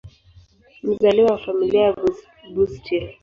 Mzaliwa wa Familia ya Bustill.